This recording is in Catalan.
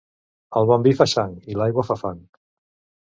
El bon vi fa sang i l'aigua fa fang.